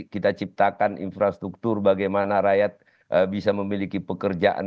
kita ciptakan infrastruktur bagaimana rakyat bisa memiliki pekerjaan